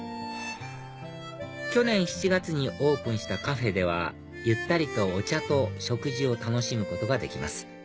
去年７月にオープンしたカフェではゆったりとお茶と食事を楽しむことができます